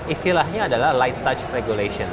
istilahnya adalah light touch regulation